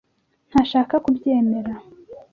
ntashaka kubyemera.